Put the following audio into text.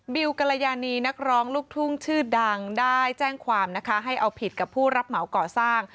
กรยานีนักร้องลูกทุ่งชื่อดังได้แจ้งความนะคะให้เอาผิดกับผู้รับเหมาก่อสร้าง